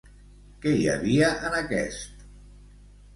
Què hi havia en aquest?